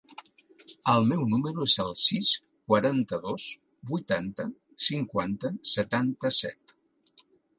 El meu número es el sis, quaranta-dos, vuitanta, cinquanta, setanta-set.